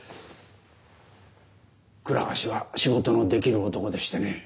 倉橋は仕事のできる男でしてね